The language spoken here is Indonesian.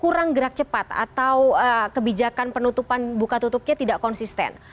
kurang gerak cepat atau kebijakan penutupan buka tutupnya tidak konsisten